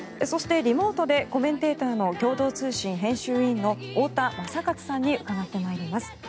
そして、リモートでコメンテーターの共同通信編集委員太田昌克さんに伺ってまいります。